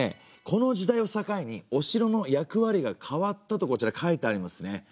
この時代を境にお城の役割が変わったとこちら書いてありますね。